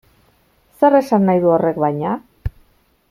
Zer esan nahi du horrek baina?